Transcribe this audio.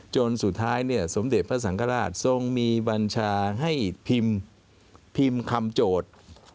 จนสุดท้ายเนี่ยสมเด็จพระสังฆราชทรงมีบัญชาให้พิมพ์คำโจทย์